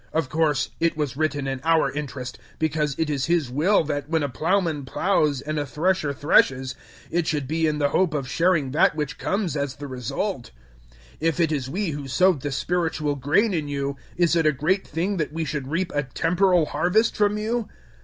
Of course, it was written in our interest, because it is His will that when a plough man ploughs, and a thresher threshes, it should be in the hope of sharing that which comes as the result. 009:011 If it is we who sowed the spiritual grain in you, is it a great thing that we should reap a temporal harvest from you?